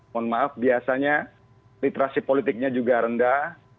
mohon maaf biasanya literasi politiknya juga rendah